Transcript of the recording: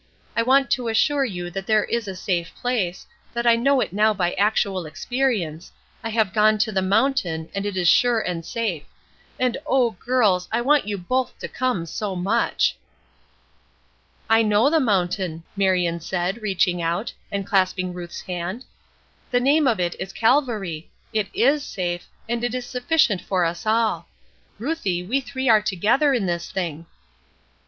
I want to assure you that there is a safe place, that I know it now by actual experience, I have gone to the mountain and it is sure and safe; and, oh, girls, I want you both to come so much." "I know the mountain;" Marion said, reaching out, and clasping Ruth's hand. "The name of it is Calvary, it is safe, and it is sufficient for us all. Ruthie, we three are together in this thing."